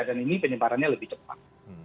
dan ini penyebarannya lebih cepat